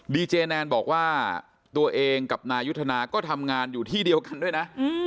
เจแนนบอกว่าตัวเองกับนายุทธนาก็ทำงานอยู่ที่เดียวกันด้วยนะ